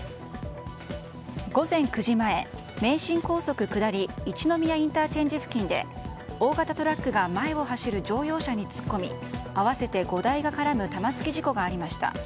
午前９時前名神高速下り一宮ＩＣ付近で大型トラックが前を走る乗用車に突っ込み合わせて５台が絡む玉突き事故がありました。